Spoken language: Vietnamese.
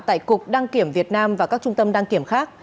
tại cục đăng kiểm việt nam và các trung tâm đăng kiểm khác